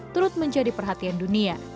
turut menjadi perhatian dunia